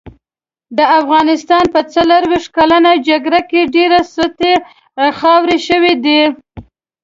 د افغانستان په څلوښت کلنه جګړه کې ډېرې سټې خاورې شوې دي.